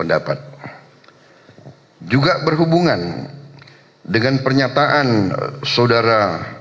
dan ini juga berhubungan dengan pernyataan saudara